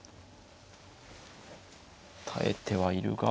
耐えてはいるが。